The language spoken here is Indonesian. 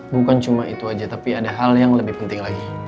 bukan cuma itu aja tapi ada hal yang lebih penting lagi